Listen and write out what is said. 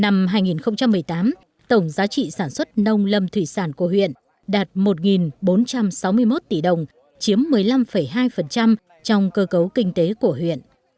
năm hai nghìn một mươi tám tổng giá trị sản xuất nông lâm thủy sản của huyện đạt một bốn trăm sáu mươi một tỷ đồng chiếm một mươi năm hai trong cơ cấu kinh tế của huyện